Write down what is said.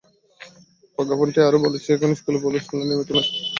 প্রজ্ঞাপনটি আরও বলেছে, এসব স্কুলের পরিচালনায় কোনো নিয়মনীতি অনুসরণ করা হচ্ছে না।